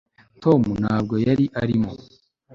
Tom ntabwo yari arimo